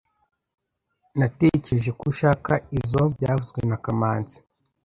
Natekereje ko ushaka izoi byavuzwe na kamanzi